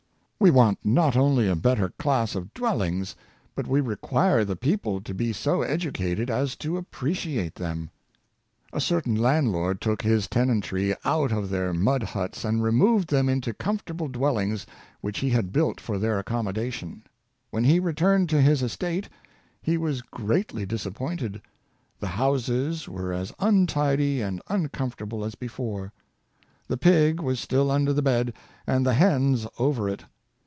We want not only a better class of dwellings, but we require the people to be so educated as to appreci ate them. A certain landlord took his tenantry out of their mud huts, and removed them into comfortable dwellings which he had built for their accommodation. When he returned to his estate, he was greatly disap pointed. The houses were as untidy and uncomfortable as before. The pig was still under the bed, and the hens over it.